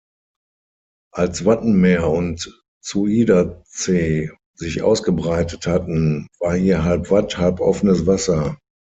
Als Wattenmeer und Zuiderzee sich ausgebreitet hatten, war hier halb Watt, halb offenes Wasser.